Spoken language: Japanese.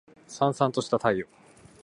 燦燦とした太陽